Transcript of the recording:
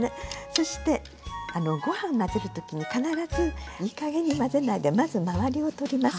そしてご飯混ぜる時に必ずいいかげんに混ぜないでまず周りを取ります。